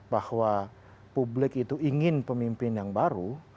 bahwa publik itu ingin pemimpin yang baru